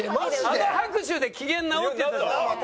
あの拍手で機嫌直ってたじゃん。